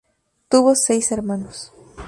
Tuvo seis hermanos.